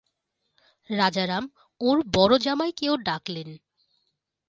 রাজারাম ওঁর বড়ো জামাইকেও ডাকলেন।